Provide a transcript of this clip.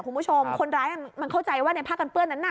คุณผู้ชมคนร้ายมันเข้าใจว่าในผ้ากันเปื้อนนั้นน่ะ